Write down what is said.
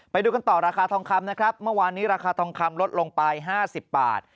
ไปดูกันต่อราคาทองคำนะครับเมื่อวานนี้ราคาทองคำลดลงไป๕๐บาท